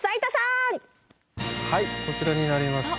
はいこちらになります。